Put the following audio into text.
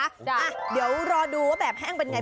อ่ะเดี๋ยวรอดูว่าแบบแห้งเป็นไง